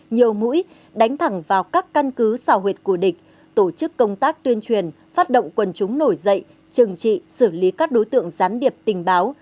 nhiều mũi đánh thẳng vào các căn cứ xào huyệt của địch tổ chức công tác tuyên truyền phát động quần chúng nổi dậy trừng trị xử lý các đối tượng gián điệp tình báo